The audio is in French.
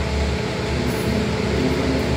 j'ai eu Fulup au téléphone.